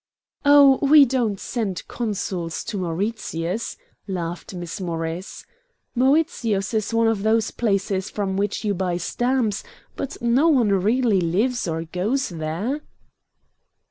"Oh, we don't send consuls to Mauritius," laughed Miss Morris. "Mauritius is one of those places from which you buy stamps, but no one really lives or goes there."